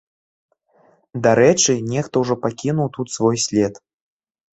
Дарэчы, нехта ўжо пакінуў тут свой след.